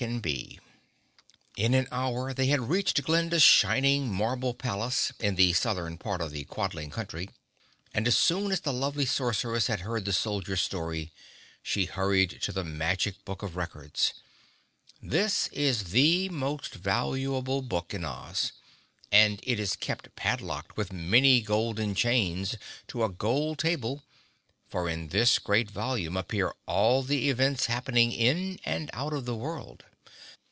[Illustration: The Grand Army sprang upon the back of the Saw Horse] In an hour they had reached Glinda's shining marble palace in the southern part of the Quadling country, and as soon as the lovely Sorceress had heard the soldier's story, she hurried to the magic Book of Records. This is the most valuable book in Oz and it is kept padlocked with many golden chains to a gold table, for in this great volume appear all the events happening in and out of the world.